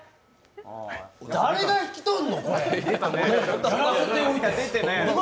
誰が引き取るの、これ。